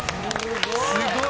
すごい。